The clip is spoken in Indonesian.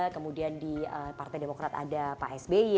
kemudian di partai demokrat ada pak sby